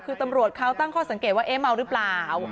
คือตำรวจเขาตั้งข้อสังเกตว่าเอ๊ะเมาหรือเปล่า